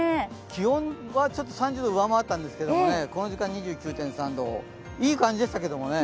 気温は３０度を上回ったんですけど、この時間は２９．３度いい感じでしたけどね。